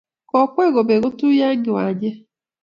Kokwee kobek kotuyo eng kiwanchee.